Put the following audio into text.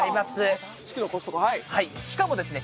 しかもですね。